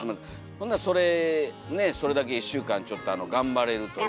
ほんならそれだけ１週間ちょっと頑張れるというか。